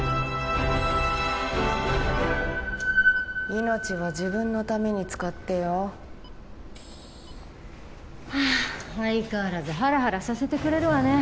命は自分のために使ってよ。はあ相変わらずハラハラさせてくれるわね。